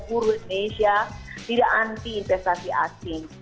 buruh indonesia tidak anti investasi asing